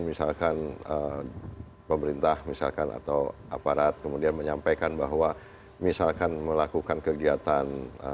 misalkan pemerintah misalkan atau aparat kemudian menyampaikan bahwa misalkan melakukan kegiatan